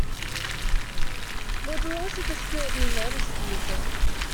Would the loss of a skewer be noticed, do you think?